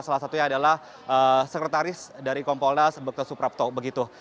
salah satunya adalah sekretaris dari kompolnas bekes suprapto begitu